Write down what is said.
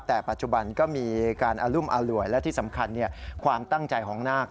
แต่ปัจจุบันก็มีการอรุมอร่วยและที่สำคัญความตั้งใจของนาค